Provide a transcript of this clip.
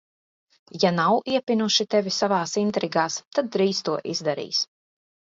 Ja nav iepinuši tevi savās intrigās, tad drīz to izdarīs.